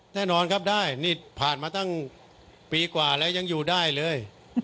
แน่นอนครับได้นี่ผ่านมาตั้งปีกว่าแล้วยังอยู่ได้เลย